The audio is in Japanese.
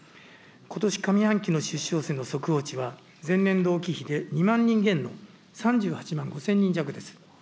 ことし上半期の出生数の速報値は、前年同期比で２万人減の３８万５０００人弱です。